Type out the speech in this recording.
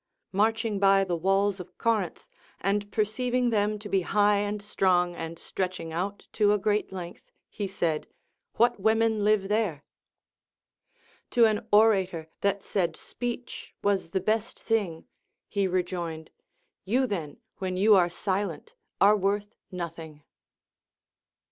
Marching by the walls of Corinth, and perceiving them to be high and strong and stretching out to a great length, he said, What women live there? To an orator that said speech was the best thing, he rejoined. You then, when you are silent, are Avorth nothing.